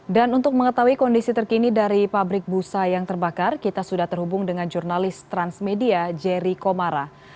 dan untuk mengetahui kondisi terkini dari pabrik busa yang terbakar kita sudah terhubung dengan jurnalis transmedia jerry komara